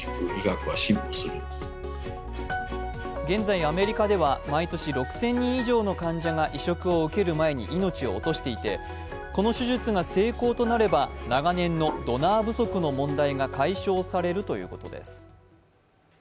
現在、アメリカでは毎年６０００人以上の患者が移植を受ける前に命を落としていて、この手術が成功となれば、長年のドナー不足の問題が解消されるということです。